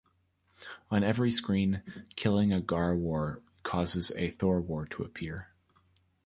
On every screen, killing a Garwor causes a Thorwor to appear.